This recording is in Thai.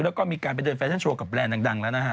แล้วก็มีการไปเดินแฟชั่นโชว์กับแบรนด์ดังแล้วนะฮะ